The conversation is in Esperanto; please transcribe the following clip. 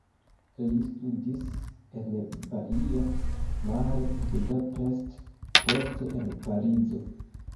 Li studis en Baia Mare, Budapest, poste en Parizo.